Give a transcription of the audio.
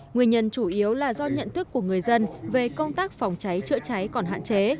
nguyên nhân chủ yếu là do nhận thức của người dân về công tác phòng cháy chữa cháy còn hạn chế